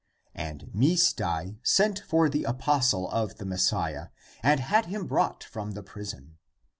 And Misdai sent for the apostle of the Messiah and had him brought from the prison.